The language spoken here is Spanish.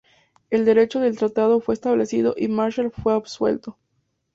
El derecho del tratado fue establecido y Marshall fue absuelto.